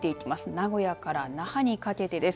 名古屋から那覇にかけてです。